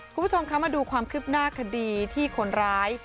คุณผู้ชมคะมาดูความคืบหน้าคดีที่คนร้าย